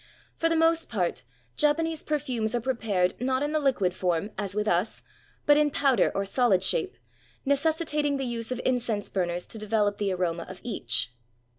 For the most part, Japanese perfumes are prepared not in the Hquid form, as with us, but in powder or sohd shape, necessitating the use of incense burners to develop the aroma of each.